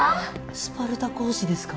スパルタ講師ですか？